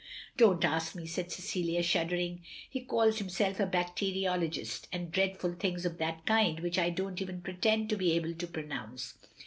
"Don't ask me," said Cecilia, shuddering. "He calls himself a bacteriologist, and dreadful things of that kind, which I don't even pretend to be able to pronounce.